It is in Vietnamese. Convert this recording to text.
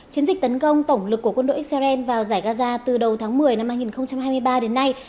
chiến dịch tấn công tổng lực của quân đội israel vào giải gaza từ đầu tháng một mươi năm hai nghìn hai mươi ba đến nay